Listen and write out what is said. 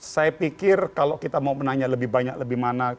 saya pikir kalau kita mau menanya lebih banyak lebih mana